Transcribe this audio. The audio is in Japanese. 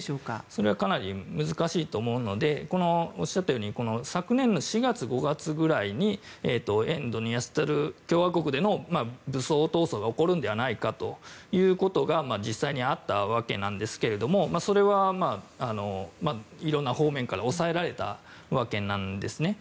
それはかなり難しいと思うのでおっしゃったように昨年の４月、５月くらいに沿ドニエストル共和国での武装闘争が起こるのではないかということが実際にあったわけですけれどもそれはいろんな方面から抑えられたわけなんですね。